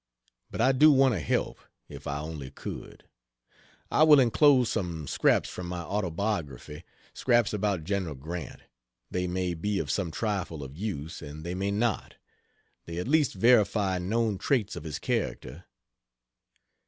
But I do want to help, if I only could. I will enclose some scraps from my Autobiography scraps about General Grant they may be of some trifle of use, and they may not they at least verify known traits of his character.